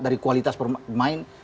dari kualitas permain